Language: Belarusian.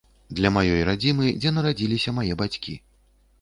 Для маёй радзімы, дзе нарадзіліся мае бацькі.